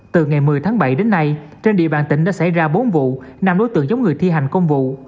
từ ngày một mươi tháng bảy đến nay trên địa bàn tỉnh đã xảy ra bốn vụ năm đối tượng chống người thi hành công vụ